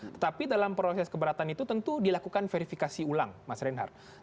tetapi dalam proses keberatan itu tentu dilakukan verifikasi ulang mas reinhardt